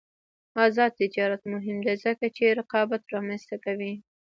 آزاد تجارت مهم دی ځکه چې رقابت رامنځته کوي.